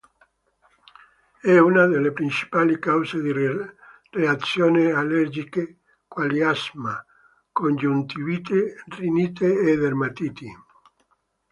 È una delle principali cause di reazioni allergiche quali asma, congiuntivite, rinite e dermatiti.